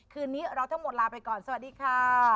คืนนี้เราทั้งหมดลาไปก่อนสวัสดีค่ะ